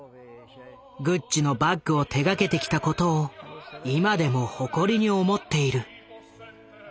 グッチのバッグを手がけてきたことを今でも誇りに思っている。